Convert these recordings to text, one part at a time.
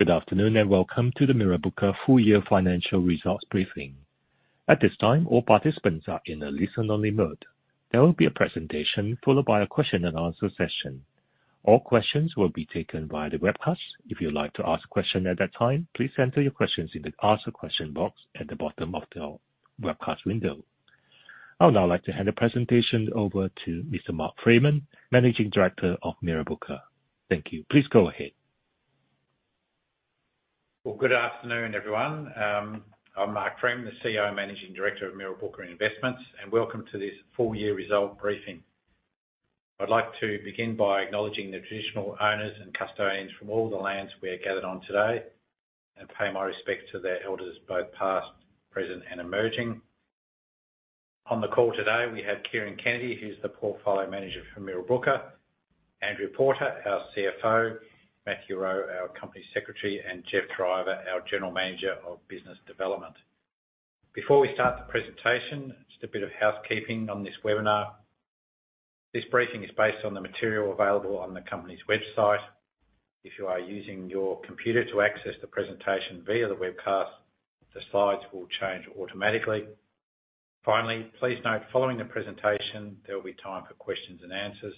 Good afternoon, and welcome to the Mirrabooka full year financial results briefing. At this time, all participants are in a listen-only mode. There will be a presentation, followed by a question and answer session. All questions will be taken via the webcast. If you'd like to ask a question at that time, please enter your questions in the Ask a Question box at the bottom of the webcast window. I would now like to hand the presentation over to Mr. Mark Freeman, Managing Director of Mirrabooka. Thank you. Please go ahead. Well, good afternoon, everyone. I'm Mark Freeman, the CEO and Managing Director of Mirrabooka Investments, and welcome to this full year result briefing. I'd like to begin by acknowledging the traditional owners and custodians from all the lands we are gathered on today, and pay my respects to their elders, both past, present, and emerging. On the call today, we have Kieran Kennedy, who's the Portfolio Manager for Mirrabooka; Andrew Porter, our CFO; Matthew Rowe, our Company Secretary, and Geoff Driver, our General Manager of Business Development. Before we start the presentation, just a bit of housekeeping on this webinar. This briefing is based on the material available on the company's website. If you are using your computer to access the presentation via the webcast, the slides will change automatically. Finally, please note, following the presentation, there will be time for questions and answers.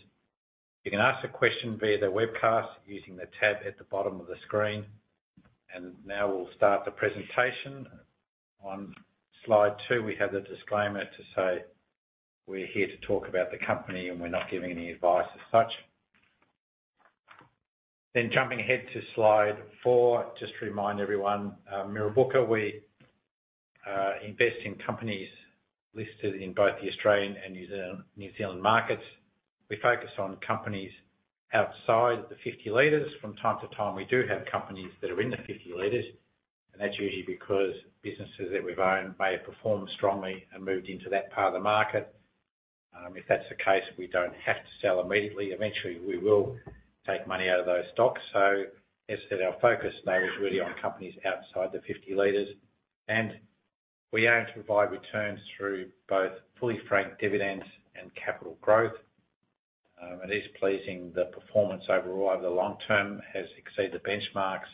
You can ask a question via the webcast using the tab at the bottom of the screen. And now we'll start the presentation. On slide two, we have the disclaimer to say we're here to talk about the company, and we're not giving any advice as such. Then jumping ahead to slide four, just to remind everyone, Mirrabooka, we invest in companies listed in both the Australian and New Zealand markets. We focus on companies outside the 50 Leaders. From time to time, we do have companies that are in the 50 Leaders, and that's usually because businesses that we've owned may have performed strongly and moved into that part of the market. If that's the case, we don't have to sell immediately. Eventually, we will take money out of those stocks. So as I said, our focus now is really on companies outside the 50 Leaders, and we aim to provide returns through both fully franked dividends and capital growth. It is pleasing the performance overall over the long term has exceeded the benchmarks.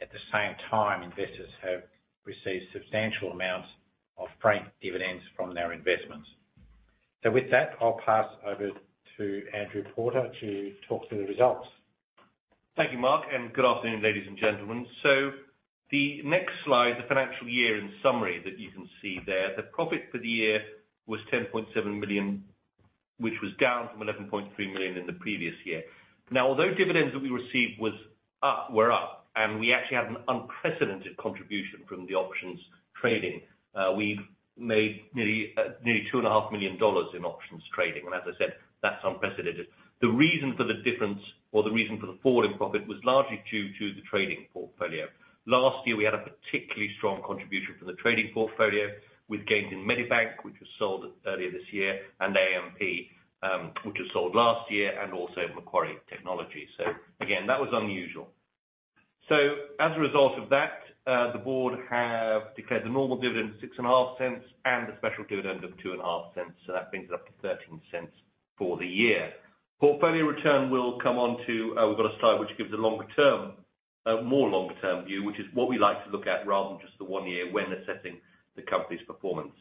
At the same time, investors have received substantial amounts of franked dividends from their investments. So with that, I'll pass over to Andrew Porter to talk through the results. Thank you, Mark, and good afternoon, ladies and gentlemen. So the next slide, the financial year and summary that you can see there, the profit for the year was 10.7 million, which was down from 11.3 million in the previous year. Now, although dividends that we received were up, and we actually had an unprecedented contribution from the options trading, we've made nearly 2.5 million dollars in options trading, and as I said, that's unprecedented. The reason for the difference or the reason for the fall in profit was largely due to the trading portfolio. Last year, we had a particularly strong contribution from the trading portfolio with gains in Medibank, which was sold earlier this year, and AMP, which was sold last year, and also in Macquarie Technology. So again, that was unusual. So as a result of that, the board have declared the normal dividend 0.065, and a special dividend of 0.025, so that brings it up to 0.13 for the year. Portfolio return, we'll come on to... We've got a slide which gives a longer term, a more longer-term view, which is what we like to look at rather than one year when assessing the company's performance.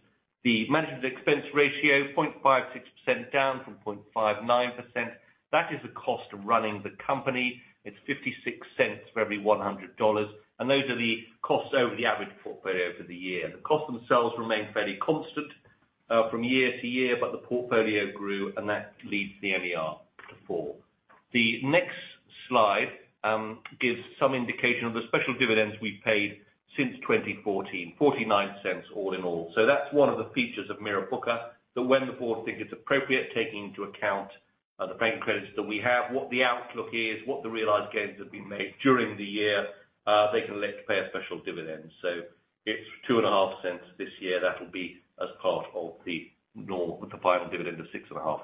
The management expense ratio, 0.56%, down from 0.59%. That is the cost of running the company. It's 0.56 for every 100 dollars, and those are the costs over the average portfolio for the year. The costs themselves remain fairly constant, from year to year, but the portfolio grew, and that leads the MER to fall. The next slide gives some indication of the special dividends we've paid since 2014, 0.49 all in all. So that's one of the features of Mirrabooka, that when the board think it's appropriate, taking into account the franking credits that we have, what the outlook is, what the realized gains have been made during the year, they can look to pay a special dividend. So it's 0.025 this year. That'll be as part of the final dividend of 0.065,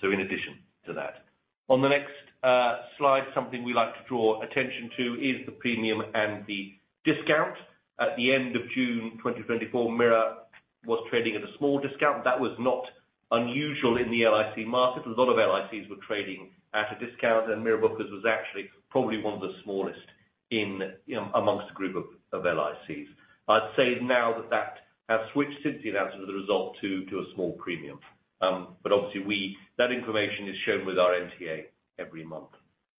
so in addition to that. On the next slide, something we like to draw attention to is the premium and the discount. At the end of June 2024, Mira was trading at a small discount. That was not unusual in the LIC market. A lot of LICs were trading at a discount, and Mirrabooka's was actually probably one of the smallest in, you know, amongst a group of LICs. I'd say now that that has switched since the announcement of the result to a small premium. But obviously, that information is shown with our NTA every month.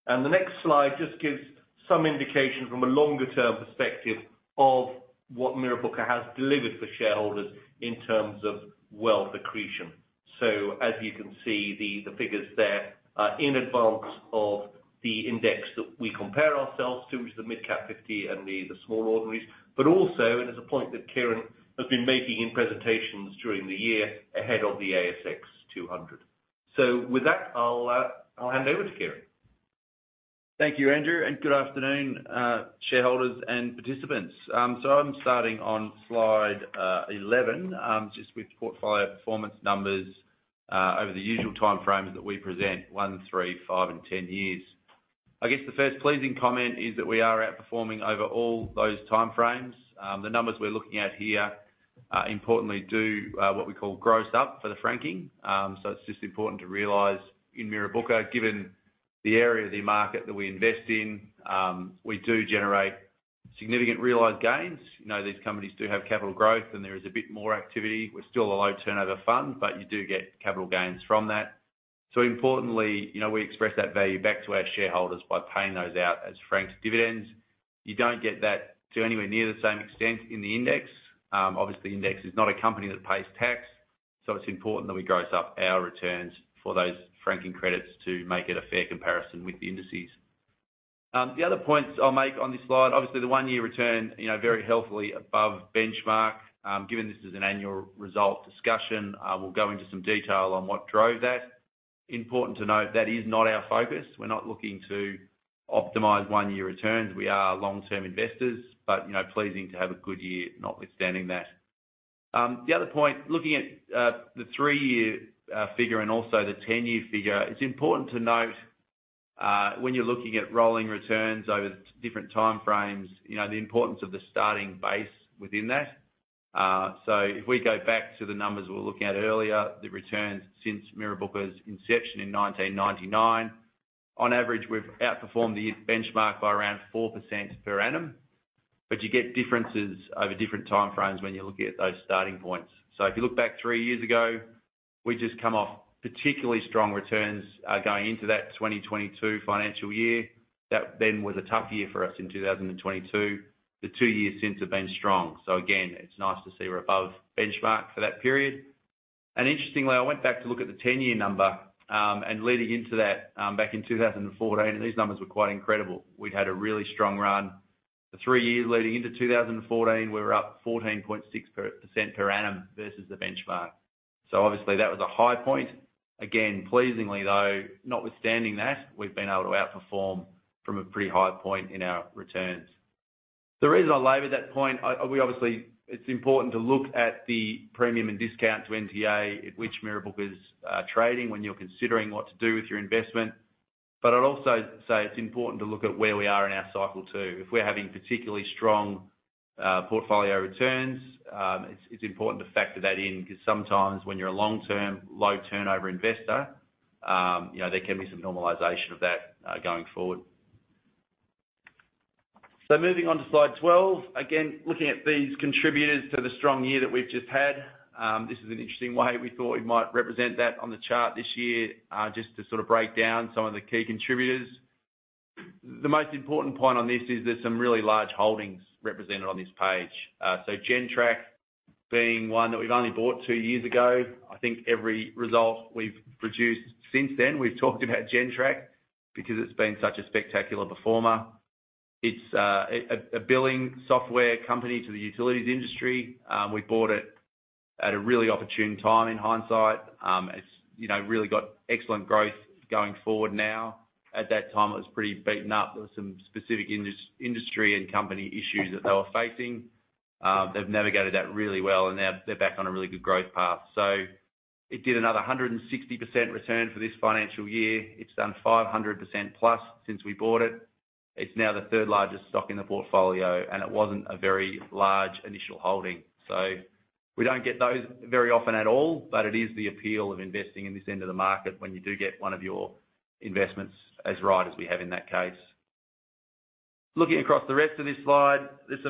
And the next slide just gives some indication from a longer-term perspective of what Mirrabooka has delivered for shareholders in terms of wealth accretion. So as you can see, the figures there are in advance of the index that we compare ourselves to, which is the Mid-Cap 50 and the Small Ordinaries, but also, and as a point that Kieran has been making in presentations during the year, ahead of the ASX 200. So with that, I'll hand over to Kieran. Thank you, Andrew, and good afternoon, shareholders and participants. So I'm starting on slide 11, just with the portfolio performance numbers, over the usual 1, 3, 5, and 10 years. i guess the first pleasing comment is that we are outperforming over all those time frames. The numbers we're looking at here importantly, do what we call gross up for the franking. So it's just important to realize in Mirrabooka, given the area of the market that we invest in, we do generate significant realized gains. You know, these companies do have capital growth, and there is a bit more activity. We're still a low turnover fund, but you do get capital gains from that. So importantly, you know, we express that value back to our shareholders by paying those out as franked dividends. You don't get that to anywhere near the same extent in the index. Obviously, the index is not a company that pays tax, so it's important that we gross up our returns for those franking credits to make it a fair comparison with the indices. The other points I'll make on this slide, obviously, the one-year return, you know, very healthily above benchmark. Given this is an annual result discussion, we'll go into some detail on what drove that. Important to note, that is not our focus. We're not looking to optimize one-year returns. We are long-term investors, but, you know, pleasing to have a good year, notwithstanding that. The other point, looking at the three-year figure and also the 10-year figure, it's important to note, when you're looking at rolling returns over different time frames, you know, the importance of the starting base within that. So if we go back to the numbers we were looking at earlier, the returns since Mirrabooka's inception in 1999, on average, we've outperformed the benchmark by around 4% per annum. But you get differences over different time frames when you're looking at those starting points. So if you look back three years ago, we'd just come off particularly strong returns, going into that 2022 financial year. That then was a tough year for us in 2022. The two years since have been strong. So again, it's nice to see we're above benchmark for that period. And interestingly, I went back to look at the 10-year number, and leading into that, back in 2014, these numbers were quite incredible. We'd had a really strong run. The three years leading into 2014, we were up 14.6% per annum versus the benchmark. So obviously, that was a high point. Again, pleasingly, though, notwithstanding that, we've been able to outperform from a pretty high point in our returns. The reason I labor that point, obviously, it's important to look at the premium and discount to NTA at which Mirrabooka is trading when you're considering what to do with your investment. But I'd also say it's important to look at where we are in our cycle, too. If we're having particularly strong portfolio returns, it's important to factor that in, 'cause sometimes when you're a long-term, low-turnover investor, you know, there can be some normalization of that going forward. So moving on to slide 12, again, looking at these contributors to the strong year that we've just had, this is an interesting way we thought we might represent that on the chart this year, just to sort of break down some of the key contributors. The most important point on this is there's some really large holdings represented on this page. So Gentrack being one that we've only bought two years ago. I think every result we've produced since then, we've talked about Gentrack because it's been such a spectacular performer. It's a billing software company to the utilities industry. We bought it at a really opportune time, in hindsight. It's, you know, really got excellent growth going forward now. At that time, it was pretty beaten up. There were some specific industry and company issues that they were facing. They've navigated that really well, and now they're back on a really good growth path. So it did another 160% return for this financial year. It's done 500%+ since we bought it. It's now the third largest stock in the portfolio, and it wasn't a very large initial holding. So we don't get those very often at all, but it is the appeal of investing in this end of the market when you do get one of your investments as right as we have in that case. Looking across the rest of this slide, there's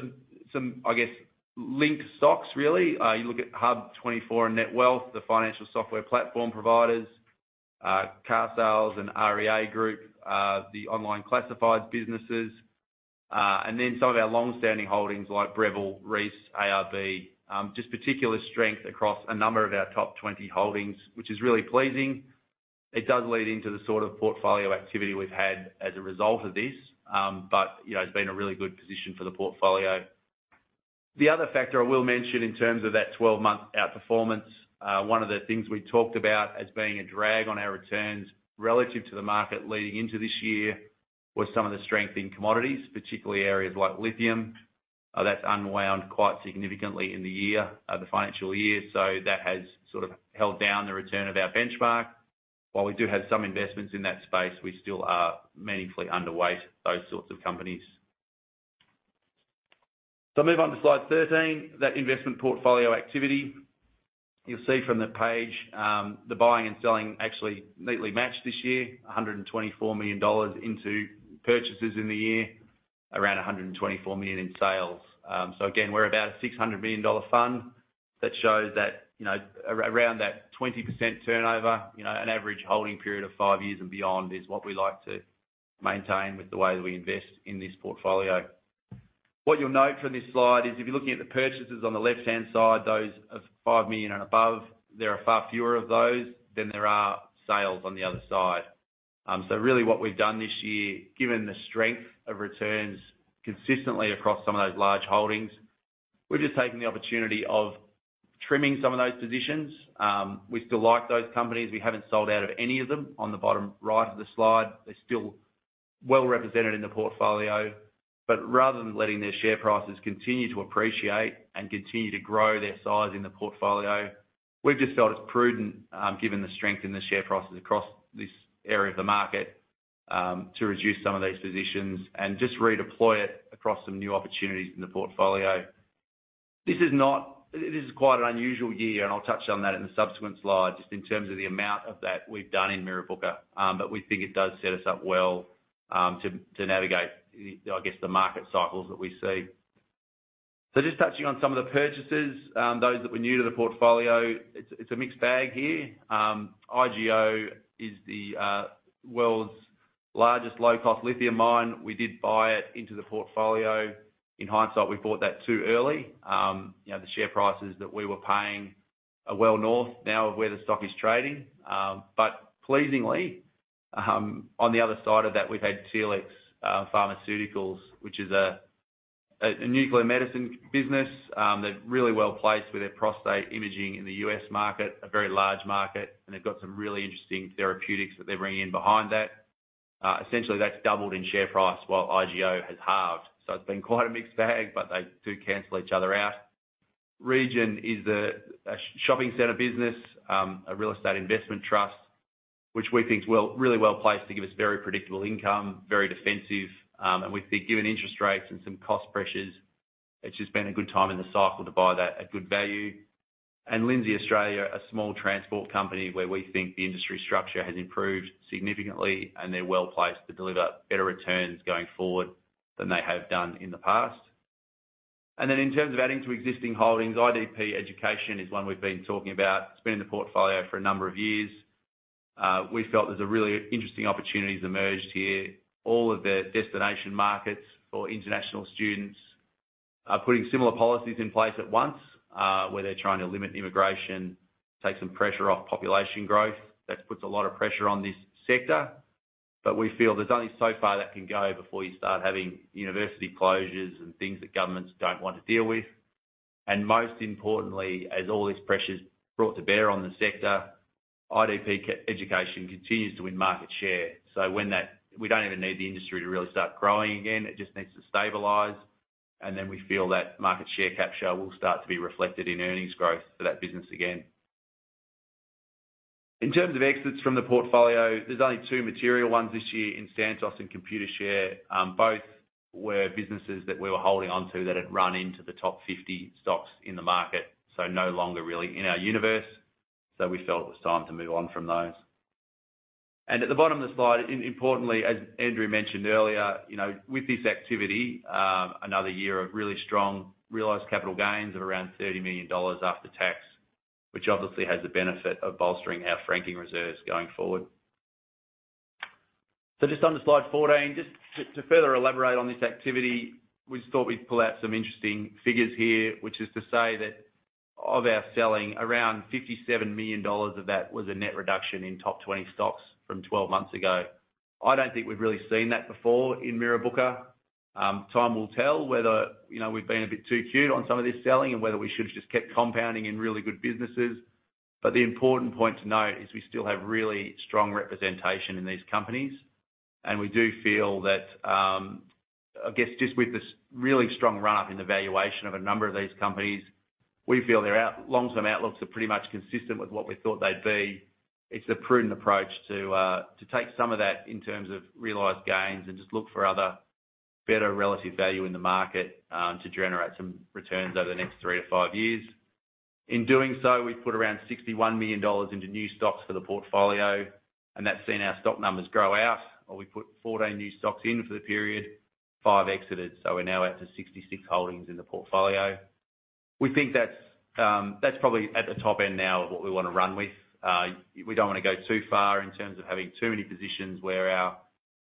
some, I guess, linked stocks, really. You look at HUB24 and Netwealth, the financial software platform providers, Carsales and REA Group, the online classifieds businesses, and then some of our long-standing holdings, like Breville, Reece, ARB, just particular strength across a number of our top 20 holdings, which is really pleasing. It does lead into the sort of portfolio activity we've had as a result of this, but, you know, it's been a really good position for the portfolio. The other factor I will mention in terms of that 12-month outperformance, one of the things we talked about as being a drag on our returns relative to the market leading into this year, was some of the strength in commodities, particularly areas like lithium. That's unwound quite significantly in the year, the financial year, so that has sort of held down the return of our benchmark. While we do have some investments in that space, we still are meaningfully underweight those sorts of companies. Move on to slide 13, that investment portfolio activity. You'll see from the page, the buying and selling actually neatly matched this year, 124 million dollars into purchases in the year, around 124 million in sales. So again, we're about a 600 million dollar fund. That shows that, you know, around that 20% turnover, you know, an average holding period of five years and beyond is what we like to maintain with the way that we invest in this portfolio. What you'll note from this slide is, if you're looking at the purchases on the left-hand side, those of 5 million and above, there are far fewer of those than there are sales on the other side. So really what we've done this year, given the strength of returns consistently across some of those large holdings, we've just taken the opportunity of trimming some of those positions. We still like those companies. We haven't sold out of any of them. On the bottom right of the slide, they're still well represented in the portfolio, but rather than letting their share prices continue to appreciate and continue to grow their size in the portfolio, we've just felt it's prudent, given the strength in the share prices across this area of the market, to reduce some of these positions and just redeploy it across some new opportunities in the portfolio. It is quite an unusual year, and I'll touch on that in the subsequent slide, just in terms of the amount of that we've done in Mirrabooka, but we think it does set us up well, to navigate the, I guess, the market cycles that we see. So just touching on some of the purchases, those that were new to the portfolio, it's a mixed bag here. IGO is the world's largest low-cost lithium mine. We did buy it into the portfolio. In hindsight, we bought that too early. You know, the share prices that we were paying are well north now of where the stock is trading. But pleasingly, on the other side of that, we've had Telix Pharmaceuticals, which is a nuclear medicine business. They're really well placed with their prostate imaging in the U.S. market, a very large market, and they've got some really interesting therapeutics that they're bringing in behind that. Essentially, that's doubled in share price while IGO has halved. So it's been quite a mixed bag, but they do cancel each other out. Region is a shopping center business, a real estate investment trust, which we think is really well placed to give us very predictable income, very defensive, and we think given interest rates and some cost pressures, it's just been a good time in the cycle to buy that at good value. Lindsay Australia, a small transport company where we think the industry structure has improved significantly, and they're well placed to deliver better returns going forward than they have done in the past. Then in terms of adding to existing holdings, IDP Education is one we've been talking about. It's been in the portfolio for a number of years. We felt there's a really interesting opportunity has emerged here. All of the destination markets for international students are putting similar policies in place at once, where they're trying to limit immigration, take some pressure off population growth. That puts a lot of pressure on this sector, but we feel there's only so far that can go before you start having university closures and things that governments don't want to deal with. Most importantly, as all this pressure is brought to bear on the sector, IDP Education continues to win market share. So when that... We don't even need the industry to really start growing again, it just needs to stabilize, and then we feel that market share capture will start to be reflected in earnings growth for that business again. In terms of exits from the portfolio, there's only two material ones this year in Santos and Computershare. Both were businesses that we were holding on to that had run into the top 50 stocks in the market, so no longer really in our universe, so we felt it was time to move on from those. At the bottom of the slide, importantly, as Andrew mentioned earlier, you know, with this activity, another year of really strong realized capital gains of around 30 million dollars after tax, which obviously has the benefit of bolstering our franking reserves going forward. So just on the slide 14, just to further elaborate on this activity, we just thought we'd pull out some interesting figures here, which is to say that of our selling, around 57 million dollars of that was a net reduction in top 20 stocks from 12 months ago. I don't think we've really seen that before in Mirrabooka. Time will tell whether, you know, we've been a bit too cute on some of this selling, and whether we should have just kept compounding in really good businesses. But the important point to note is we still have really strong representation in these companies, and we do feel that, I guess, just with this really strong run-up in the valuation of a number of these companies, we feel their long-term outlooks are pretty much consistent with what we thought they'd be. It's a prudent approach to take some of that in terms of realized gains and just look for other better relative value in the market, to generate some returns over the next three to five years. In doing so, we've put around 61 million dollars into new stocks for the portfolio, and that's seen our stock numbers grow out, or we put 14 new stocks in for the period, five exited, so we're now at 66 holdings in the portfolio. We think that's, that's probably at the top end now of what we want to run with. We don't want to go too far in terms of having too many positions where our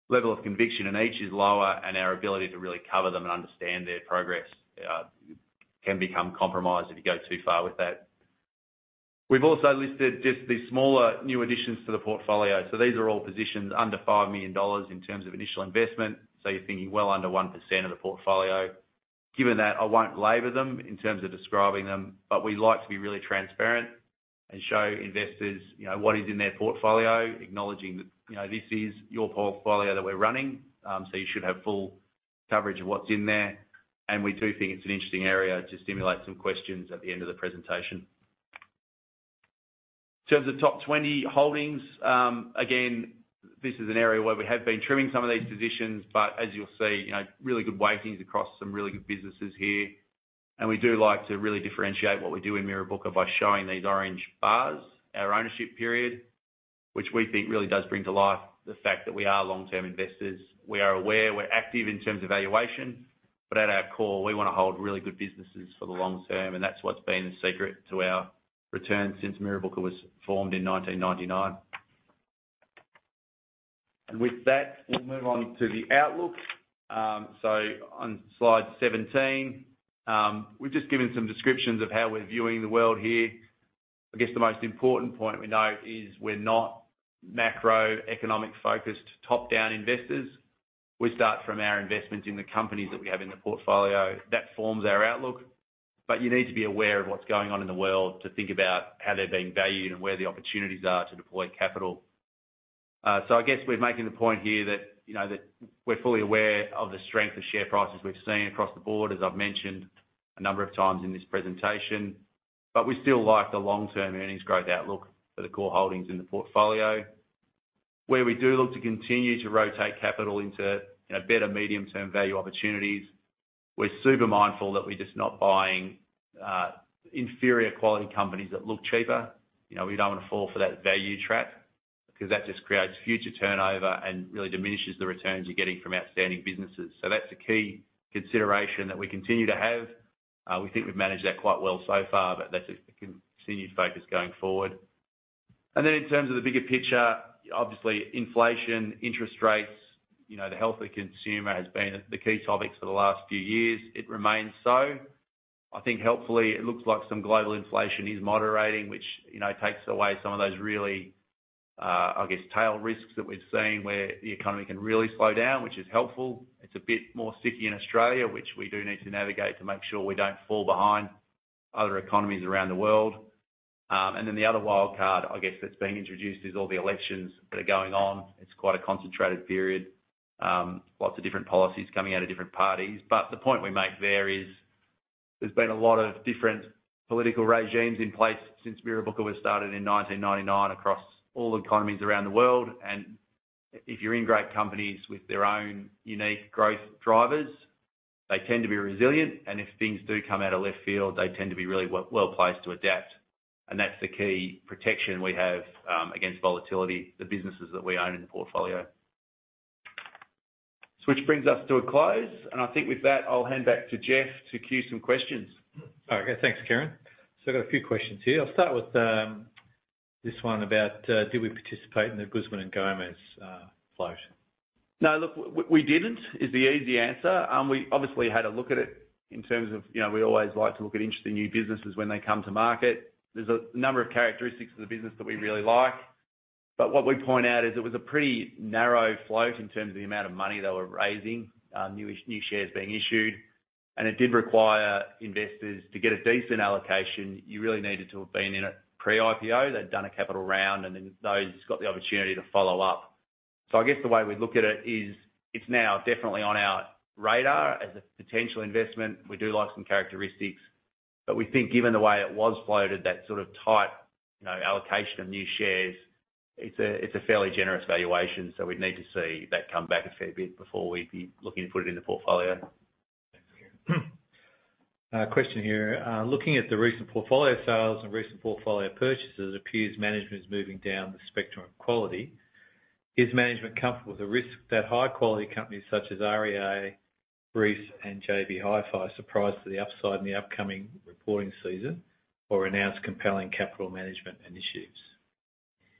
level of conviction in each is lower, and our ability to really cover them and understand their progress, can become compromised if you go too far with that. We've also listed just the smaller new additions to the portfolio. So these are all positions under 5 million dollars in terms of initial investment, so you're thinking well under 1% of the portfolio. Given that, I won't labor them in terms of describing them, but we like to be really transparent and show investors, you know, what is in their portfolio, acknowledging that, you know, this is your portfolio that we're running, so you should have full coverage of what's in there. We do think it's an interesting area to stimulate some questions at the end of the presentation. The top 20 holdings, again, this is an area where we have been trimming some of these positions, but as you'll see, you know, really good weightings across some really good businesses here. We do like to really differentiate what we do in Mirrabooka by showing these orange bars, our ownership period, which we think really does bring to life the fact that we are long-term investors. We are aware we're active in terms of valuation, but at our core, we want to hold really good businesses for the long term, and that's what's been the secret to our return since Mirrabooka was formed in 1999. With that, we'll move on to the outlook. So on slide 17, we've just given some descriptions of how we're viewing the world here. I guess the most important point we note is we're not macroeconomic-focused, top-down investors. We start from our investments in the companies that we have in the portfolio. That forms our outlook, but you need to be aware of what's going on in the world to think about how they're being valued and where the opportunities are to deploy capital. So I guess we're making the point here that, you know, that we're fully aware of the strength of share prices we've seen across the board, as I've mentioned a number of times in this presentation... But we still like the long-term earnings growth outlook for the core holdings in the portfolio, where we do look to continue to rotate capital into, you know, better medium-term value opportunities. We're super mindful that we're just not buying inferior quality companies that look cheaper. You know, we don't want to fall for that value trap, 'cause that just creates future turnover and really diminishes the returns you're getting from outstanding businesses. So that's a key consideration that we continue to have. We think we've managed that quite well so far, but that's a continued focus going forward. In terms of the bigger picture, obviously, inflation, interest rates, you know, the health of the consumer has been the key topics for the last few years. It remains so. I think, hopefully, it looks like some global inflation is moderating, which, you know, takes away some of those really, I guess, tail risks that we've seen, where the economy can really slow down, which is helpful. It's a bit more sticky in Australia, which we do need to navigate to make sure we don't fall behind other economies around the world. And then the other wild card, I guess, that's been introduced is all the elections that are going on. It's quite a concentrated period. Lots of different policies coming out of different parties. But the point we make there is, there's been a lot of different political regimes in place since Mirrabooka was started in 1999, across all economies around the world, and if you're in great companies with their own unique growth drivers, they tend to be resilient, and if things do come out of left field, they tend to be really well, well-placed to adapt. And that's the key protection we have against volatility, the businesses that we own in the portfolio. So which brings us to a close, and I think with that, I'll hand back to Geoff to cue some questions. Okay. Thanks, Kieran. So I've got a few questions here. I'll start with this one about did we participate in the Guzman y Gomez float? No, look, we didn't. Is the easy answer. We obviously had a look at it in terms of, you know, we always like to look at interesting new businesses when they come to market. There's a number of characteristics of the business that we really like, but what we'd point out is, it was a pretty narrow float in terms of the amount of money they were raising, new shares being issued. And it did require investors to get a decent allocation, you really needed to have been in it pre-IPO. They'd done a capital round, and then those got the opportunity to follow up. So I guess the way we look at it is, it's now definitely on our radar as a potential investment. We do like some characteristics, but we think given the way it was floated, that sort of tight, you know, allocation of new shares, it's a, it's a fairly generous valuation, so we'd need to see that come back a fair bit before we'd be looking to put it in the portfolio. Thanks, Kieran. Question here: Looking at the recent portfolio sales and recent portfolio purchases, it appears management is moving down the spectrum of quality. Is management comfortable with the risk that high-quality companies, such as REA, Reece and JB Hi-Fi, surprise to the upside in the upcoming reporting season or announce compelling capital management initiatives?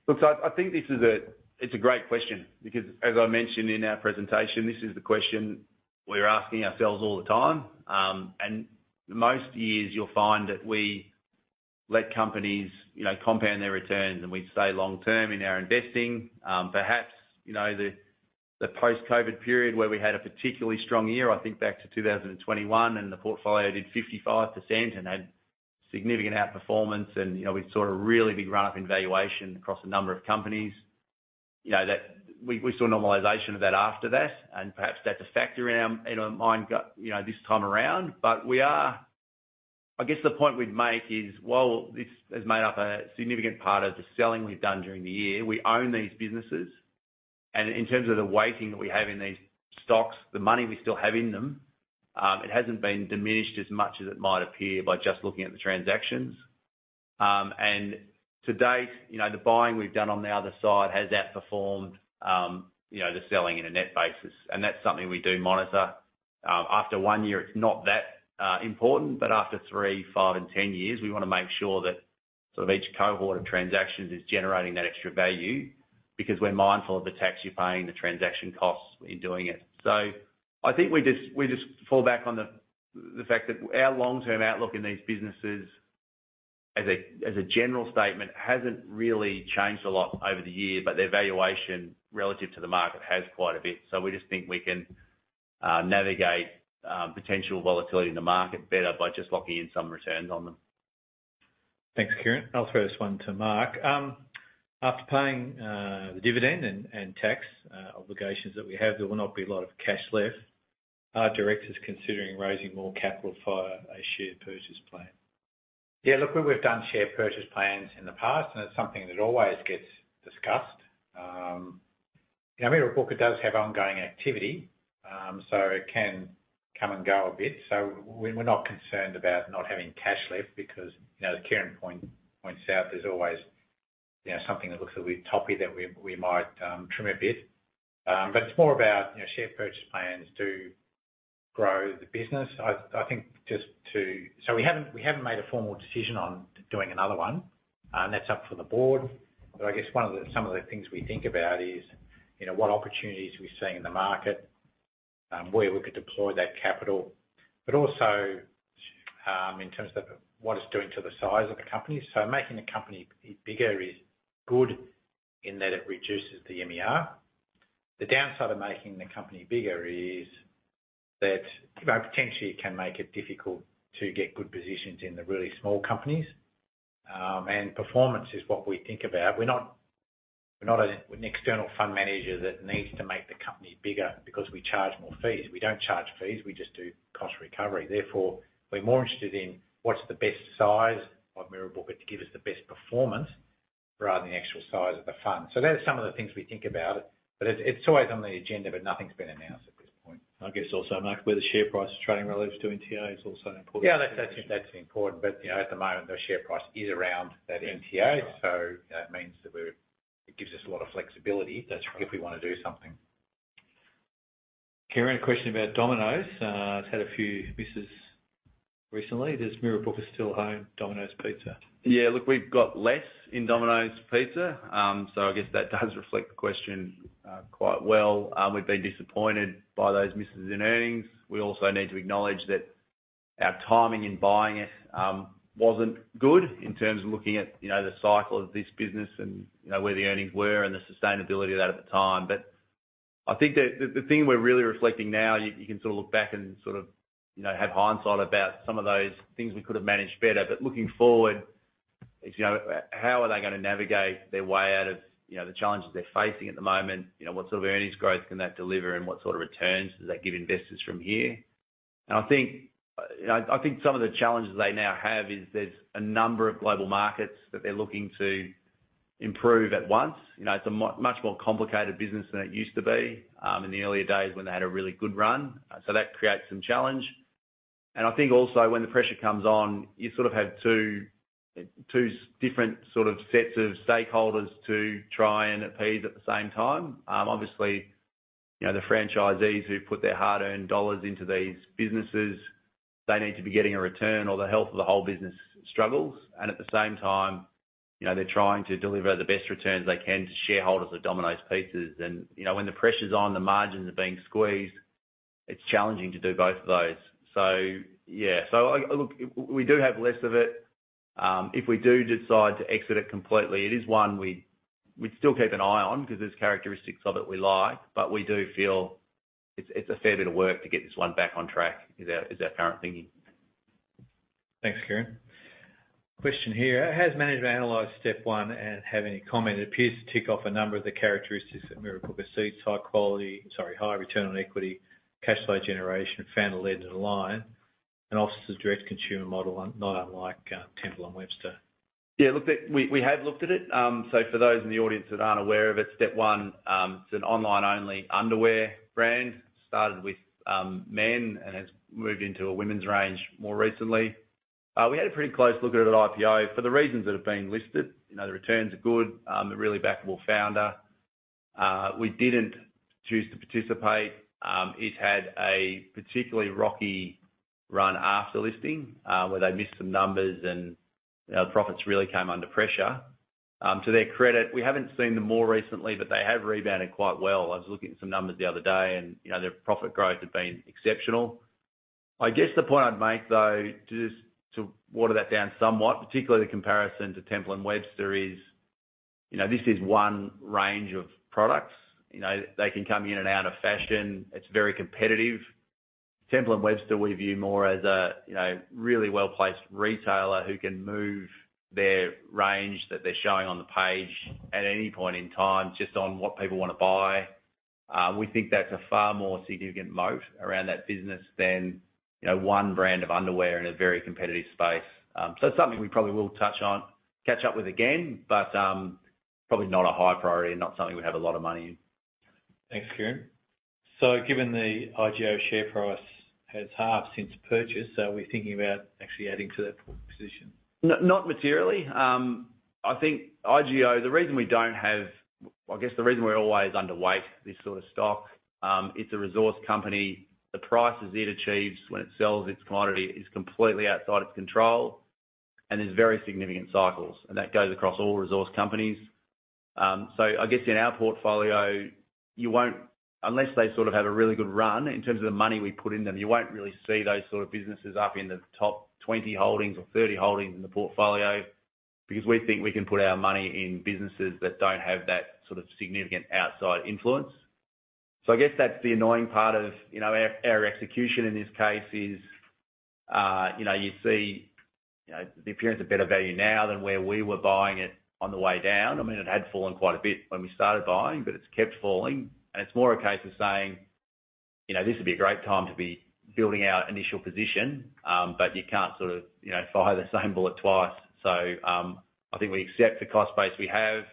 Look, so I think this is—it's a great question, because as I mentioned in our presentation, this is the question we're asking ourselves all the time. And most years, you'll find that we let companies, you know, compound their returns, and we stay long-term in our investing. Perhaps, you know, the post-COVID period, where we had a particularly strong year, I think back to 2021, and the portfolio did 55% and had significant outperformance, and, you know, we saw a really big run-up in valuation across a number of companies. You know, that—we saw a normalization of that after that, and perhaps that's a factor in our mind go—you know, this time around. But we are, I guess, the point we'd make is, while this has made up a significant part of the selling we've done during the year, we own these businesses, and in terms of the weighting that we have in these stocks, the money we still have in them, it hasn't been diminished as much as it might appear by just looking at the transactions. And to date, you know, the buying we've done on the other side has outperformed, you know, the selling in a net basis, and that's something we do monitor. One year, it's not that important, but after three, five, and ten years, we wanna make sure that sort of each cohort of transactions is generating that extra value, because we're mindful of the tax you're paying, the transaction costs in doing it. So I think we just fall back on the fact that our long-term outlook in these businesses, as a general statement, hasn't really changed a lot over the year, but their valuation relative to the market has quite a bit. So we just think we can navigate potential volatility in the market better by just locking in some returns on them. Thanks, Kieran. I'll throw this one to Mark. After paying the dividend and tax obligations that we have, there will not be a lot of cash left. Are directors considering raising more capital via a share purchase plan? Yeah, look, we've done share purchase plans in the past, and it's something that always gets discussed. You know, Mirrabooka does have ongoing activity, so it can come and go a bit. So we're not concerned about not having cash left because, you know, as Kieran pointed out, there's always, you know, something that looks a little bit toppy that we might trim a bit. But it's more about, you know, share purchase plans to grow the business. I think. So we haven't made a formal decision on doing another one, and that's up for the board. But I guess some of the things we think about is, you know, what opportunities we're seeing in the market, where we could deploy that capital, but also, in terms of what it's doing to the size of the company. So making the company bigger is good, in that it reduces the MER. The downside of making the company bigger is that, you know, potentially, it can make it difficult to get good positions in the really small companies. And performance is what we think about. We're not We're not an external fund manager that needs to make the company bigger because we charge more fees. We don't charge fees, we just do cost recovery. Therefore, we're more interested in what's the best size of Mirrabooka to give us the best performance, rather than the actual size of the fund. So that is some of the things we think about it, but it's always on the agenda, but nothing's been announced at this point. I guess also, Mark, where the share price is trading relative to NTA is also important. Yeah, that's important. But, you know, at the moment, the share price is around that NTA. So that means that we're, it gives us a lot of flexibility. That's we wanna do something. Kieran, a question about Domino's. It's had a few misses recently. Does Mirrabooka still own Domino's Pizza? Yeah, look, we've got less in Domino's Pizza. So I guess that does reflect the question quite well. We've been disappointed by those misses in earnings. We also need to acknowledge that our timing in buying it wasn't good in terms of looking at, you know, the cycle of this business and, you know, where the earnings were and the sustainability of that at the time. But I think that the, the thing we're really reflecting now, you, you can sort of look back and sort of, you know, have hindsight about some of those things we could have managed better. But looking forward, it's, you know, how are they gonna navigate their way out of, you know, the challenges they're facing at the moment? You know, what sort of earnings growth can that deliver, and what sort of returns does that give investors from here? And I think, you know, I think some of the challenges they now have is there's a number of global markets that they're looking to improve at once. You know, it's a much more complicated business than it used to be, in the earlier days when they had a really good run. So that creates some challenge. And I think also when the pressure comes on, you sort of have two different sort of sets of stakeholders to try and appease at the same time. Obviously, you know, the franchisees who put their hard-earned dollars into these businesses, they need to be getting a return or the health of the whole business struggles. And at the same time, you know, they're trying to deliver the best returns they can to shareholders of Domino's Pizzas. And, you know, when the pressure's on, the margins are being squeezed, it's challenging to do both of those. So yeah, so, look, we do have less of it. If we do decide to exit it completely, it is one we'd still keep an eye on, 'cause there's characteristics of it we like, but we do feel it's a fair bit of work to get this one back on track, is our current thinking. Thanks, Kieran. Question here: "Has management analyzed Step One and have any comment? It appears to tick off a number of the characteristics that Mirrabooka seeks, high quality... Sorry, high return on equity, cash flow generation, founder-led and aligned, and offers a direct-to-consumer model, not unlike, Temple & Webster. Yeah, we have looked at it. So for those in the audience that aren't aware of it, Step One, it's an online-only underwear brand. Started with men and has moved into a women's range more recently. We had a pretty close look at it at IPO for the reasons that have been listed. You know, the returns are good, a really backable founder. We didn't choose to participate. It had a particularly rocky run after listing, where they missed some numbers and, you know, profits really came under pressure. To their credit, we haven't seen them more recently, but they have rebounded quite well. I was looking at some numbers the other day and, you know, their profit growth had been exceptional. I guess the point I'd make, though, just to water that down somewhat, particularly the comparison to Temple & Webster, is, you know, this is one range of products. You know, they can come in and out of fashion. It's very competitive. Temple & Webster, we view more as a, you know, really well-placed retailer who can move their range that they're showing on the page at any point in time, just on what people want to buy. We think that's a far more significant moat around that business than, you know, one brand of underwear in a very competitive space. So it's something we probably will touch on, catch up with again, but, probably not a high priority and not something we have a lot of money in. Thanks, Kieran. So given the IGO share price has halved since purchase, are we thinking about actually adding to that position? Not materially. I think IGO, the reason we don't have—I guess, the reason we're always underweight this sort of stock, it's a resource company. The prices it achieves when it sells its commodity is completely outside of its control, and there's very significant cycles, and that goes across all resource companies. So I guess in our portfolio, you won't... Unless they sort of have a really good run in terms of the money we put in them, you won't really see those sort of businesses up in the top 20 holdings or 30 holdings in the portfolio, because we think we can put our money in businesses that don't have that sort of significant outside influence. So I guess that's the annoying part of, you know, our execution in this case is, you know, you see, you know, the appearance of better value now than where we were buying it on the way down. I mean, it had fallen quite a bit when we started buying, but it's kept falling, and it's more a case of saying, "You know, this would be a great time to be building our initial position," but you can't sort of, you know, fire the same bullet twice. So, I think we accept the cost base we have.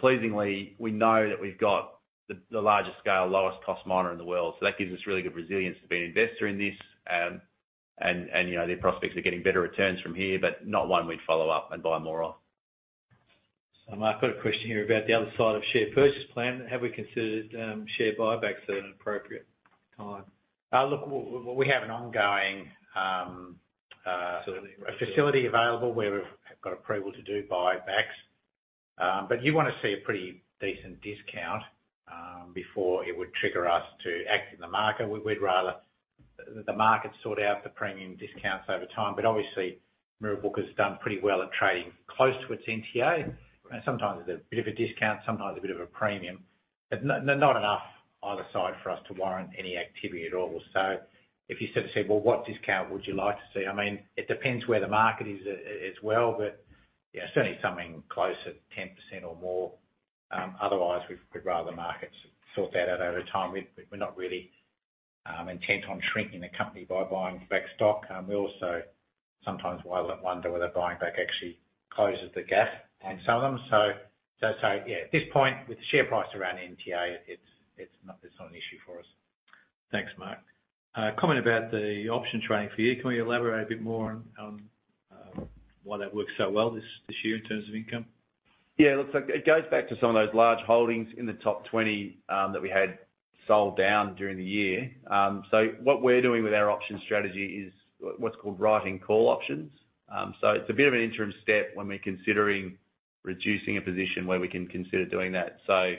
Pleasingly, we know that we've got the largest scale, lowest cost miner in the world, so that gives us really good resilience to be an investor in this. You know, the prospects are getting better returns from here, but not one we'd follow up and buy more of. So Mark, I've got a question here about the other side of share purchase plan. Have we considered share buybacks at an appropriate time? Look, we have an ongoing facility available, where we've got approval to do buybacks. But you want to see a pretty decent discount before it would trigger us to act in the market. We'd rather the market sort out the premium discounts over time. But obviously, Mirrabooka's done pretty well at trading close to its NTA, and sometimes there's a bit of a discount, sometimes a bit of a premium. Not enough either side for us to warrant any activity at all. So if you sort of say, "Well, what discount would you like to see?" I mean, it depends where the market is, as well, but, yeah, certainly something close to 10% or more. Otherwise, we'd rather the markets sort that out over time. We're not really intent on shrinking the company by buying back stock. We also sometimes wonder whether buying back actually closes the gap on some of them. So yeah, at this point, with the share price around NTA, it's not an issue for us. Thanks, Mark. Comment about the option trading for you. Can we elaborate a bit more on why that worked so well this year in terms of income? Yeah, look, so it goes back to some of those large holdings in the top 20 that we had sold down during the year. So what we're doing with our option strategy is what's called writing call options. So it's a bit of an interim step when we're considering reducing a position where we can consider doing that. So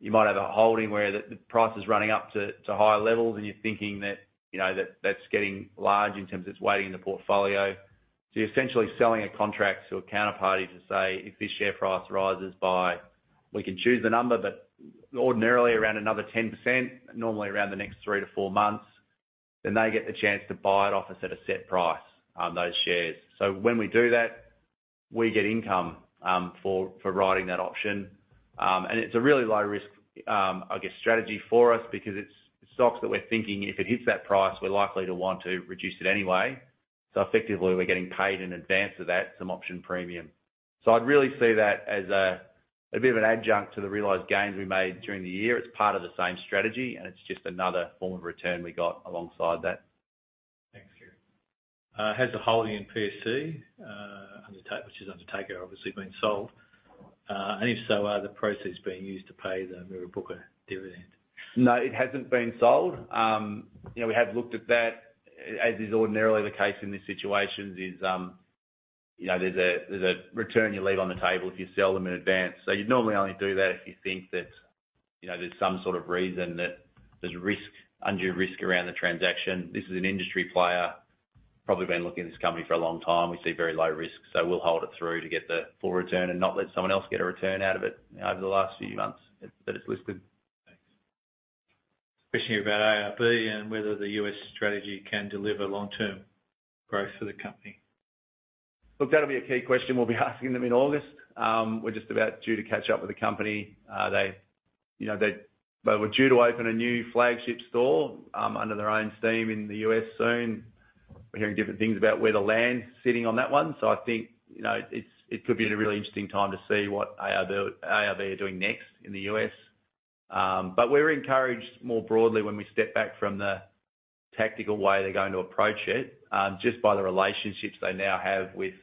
you might have a holding where the price is running up to higher levels, and you're thinking that, you know, that's getting large in terms of its weighting in the portfolio. So you're essentially selling a contract to a counterparty to say, "If this share price rises by..." We can choose the number, but ordinarily around another 10%, normally around the next three to four months, then they get the chance to buy it off us at a set price, those shares. So when we do that, we get income for writing that option. And it's a really low risk, I guess, strategy for us because it's stocks that we're thinking if it hits that price, we're likely to want to reduce it anyway. So effectively, we're getting paid in advance of that, some option premium. So I'd really see that as a bit of an adjunct to the realized gains we made during the year. It's part of the same strategy, and it's just another form of return we got alongside that. Thanks, Kieran. Has the holding in PSC Insurance been sold? And if so, are the proceeds being used to pay the Mirrabooka dividend? No, it hasn't been sold. You know, we have looked at that. As is ordinarily the case in these situations is, you know, there's a return you leave on the table if you sell them in advance. So you'd normally only do that if you think that, you know, there's some sort of reason that there's risk, undue risk around the transaction. This is an industry player, probably been looking at this company for a long time. We see very low risk, so we'll hold it through to get the full return and not let someone else get a return out of it over the last few months, that it's listed. Thanks. Question about ARB and whether the U.S. strategy can deliver long-term growth for the company. Look, that'll be a key question we'll be asking them in August. We're just about due to catch up with the company. You know, they were due to open a new flagship store under their own steam in the U.S. soon. We're hearing different things about where the land's sitting on that one. So I think, you know, it could be a really interesting time to see what ARB are doing next in the U.S.. But we're encouraged more broadly when we step back from the tactical way they're going to approach it just by the relationships they now have with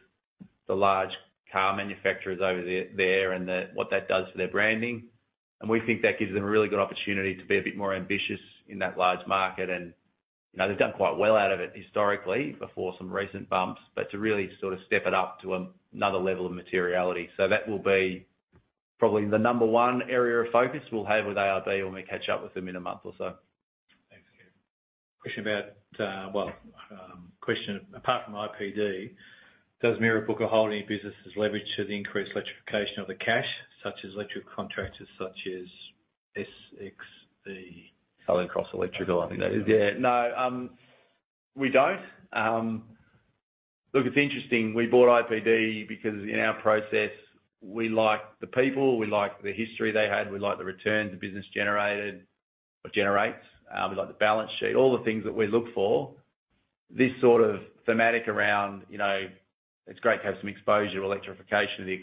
the large car manufacturers over there and what that does for their branding. And we think that gives them a really good opportunity to be a bit more ambitious in that large market. You know, they've done quite well out of it historically, before some recent bumps, but to really sort of step it up to another level of materiality. That will be probably the number one area of focus we'll have with ARB when we catch up with them in a month or so. Thanks, Kieran. Question, apart from IPD, does Mirrabooka hold any businesses leveraged to the increased electrification of the cash, such as electric contractors such as SXE? Southern Cross Electrical, I think that is. Yeah. No, we don't. Look, it's interesting, we bought IPD because in our process, we like the people, we like the history they had, we like the returns the business generated or generates, we like the balance sheet, all the things that we look for. This sort of thematic around, you know, it's great to have some exposure to electrification of the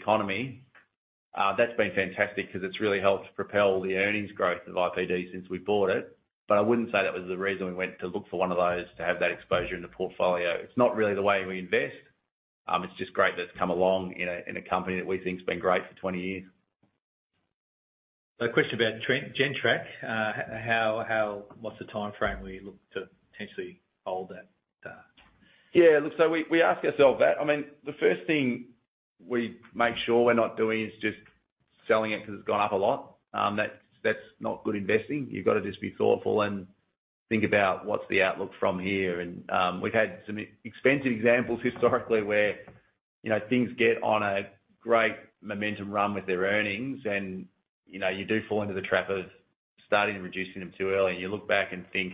economy, that's been fantastic because it's really helped propel the earnings growth of IPD since we bought it. But I wouldn't say that was the reason we went to look for one of those to have that exposure in the portfolio. It's not really the way we invest. It's just great that it's come along in a, in a company that we think has been great for 20 years. So question about Gentrack. How, how, what's the timeframe we look to potentially hold that? Yeah, look, so we, we ask ourselves that. I mean, the first thing we make sure we're not doing is just selling it because it's gone up a lot. That's, that's not good investing. You've got to just be thoughtful and think about what's the outlook from here. And, we've had some expensive examples historically, where, you know, things get on a great momentum run with their earnings, and, you know, you do fall into the trap of starting reducing them too early. And you look back and think,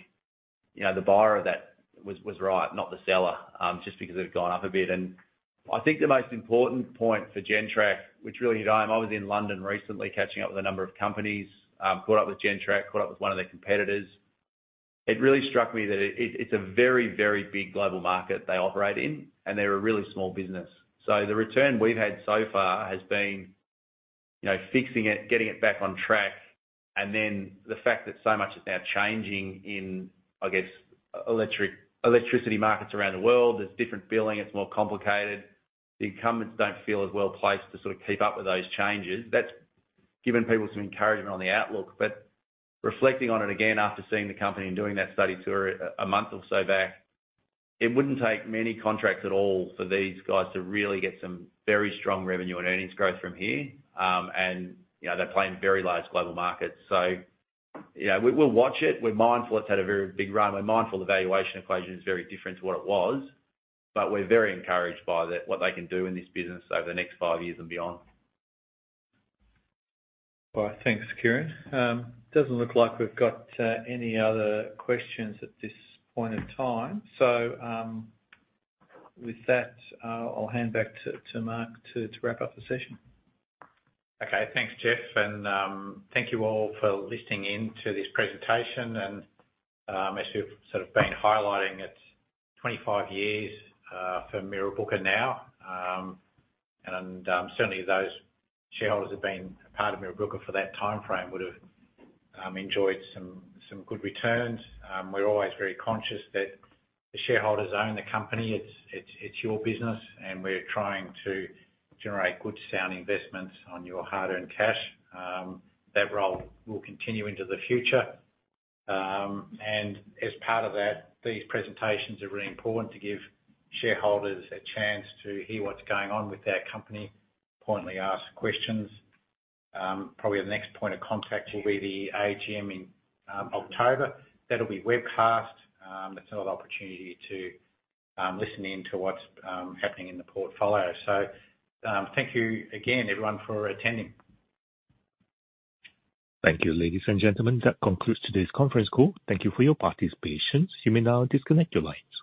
you know, the buyer of that was, was right, not the seller, just because it had gone up a bit. And I think the most important point for Gentrack, which really, you know, I was in London recently catching up with a number of companies, caught up with Gentrack, caught up with one of their competitors. It really struck me that it, it's a very, very big global market they operate in, and they're a really small business. So the return we've had so far has been, you know, fixing it, getting it back on track, and then the fact that so much is now changing in, I guess, electricity markets around the world. There's different billing, it's more complicated. The incumbents don't feel as well placed to sort of keep up with those changes. That's given people some encouragement on the outlook. But reflecting on it again, after seeing the company and doing that study tour a month or so back, it wouldn't take many contracts at all for these guys to really get some very strong revenue and earnings growth from here. And, you know, they're playing very large global markets. So, you know, we'll watch it. We're mindful it's had a very big run. We're mindful the valuation equation is very different to what it was, but we're very encouraged by the, what they can do in this business over the next five years and beyond. All right. Thanks, Kieran. Doesn't look like we've got any other questions at this point in time. So, with that, I'll hand back to Mark to wrap up the session. Okay. Thanks, Geoff, and thank you all for listening in to this presentation. As we've sort of been highlighting, it's 25 years for Mirrabooka now. Certainly those shareholders have been a part of Mirrabooka for that timeframe would have enjoyed some good returns. We're always very conscious that the shareholders own the company. It's your business, and we're trying to generate good, sound investments on your hard-earned cash. That role will continue into the future. As part of that, these presentations are really important to give shareholders a chance to hear what's going on with our company, importantly, ask questions. Probably the next point of contact will be the AGM in October. That'll be webcast. It's another opportunity to listen in to what's happening in the portfolio. Thank you again, everyone, for attending. Thank you, ladies and gentlemen. That concludes today's conference call. Thank you for your participation. You may now disconnect your lines.